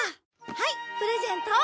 はいプレゼント。